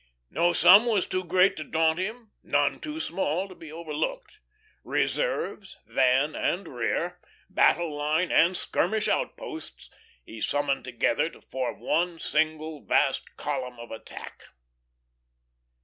No sum was too great to daunt him, none too small to be overlooked. Reserves, van and rear, battle line and skirmish outposts he summoned together to form one single vast column of attack.